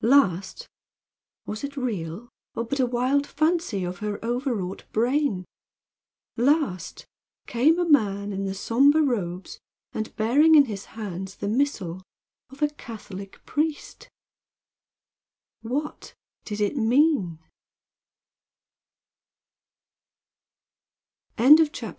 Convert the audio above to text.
Last was it real or but a wild fancy of her overwrought brain? last came a man in the somber robes and bearing in his hands the missal of a Catholic priest! What did it mean?